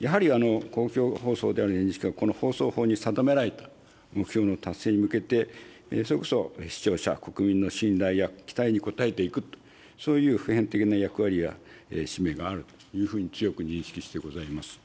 やはり公共放送であるＮＨＫは、この放送法に定められた目標の達成に向けて、それこそ視聴者・国民の信頼や期待に応えていくと、そういう普遍的な役割や使命があるというふうに強く認識してございます。